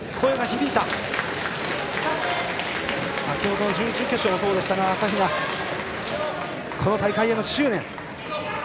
先ほどの準々決勝もそうでしたが朝比奈、この大会への執念。